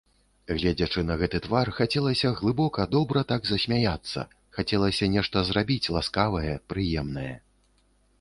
Гледзячы на гэты твар, хацелася глыбока, добра так засмяяцца, хацелася нешта зрабіць ласкавае, прыемнае.